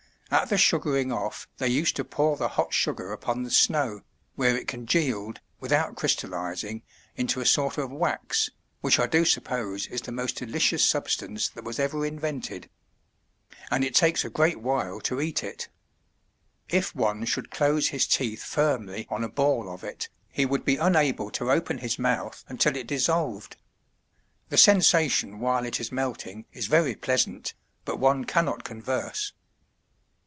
At the "sugaring off they used to pour the hot sugar upon the snow, where it congealed, without crystallizing, into a sort of wax, which I do suppose is the most delicious substance that was ever invented. And it takes a great while to eat it. If one should close his teeth firmly on a ball of it, he would be unable to open his mouth until it dissolved. The sensation while it is melting is very pleasant, but one cannot converse.